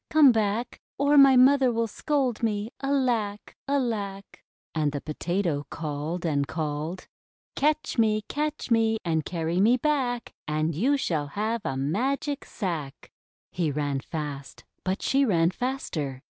Come back! Or my mother will scold me. Alack! Alack!" And the Potato called and called :— "Catch me! Catch me! And carry me back! And you shall have a Magic Sack!'' He ran fast, but she ran faster.